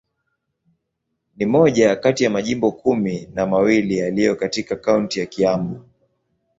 Ni moja kati ya majimbo kumi na mawili yaliyo katika kaunti ya Kiambu.